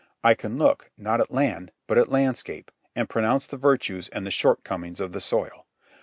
I can look, not at land, but at landscape, and pronounce the virtues and the shortcomings of the soil.